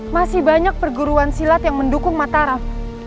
masih banyak perguruan silat yang mendukung mataram